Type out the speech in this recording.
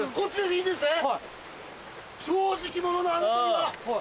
いいんですか？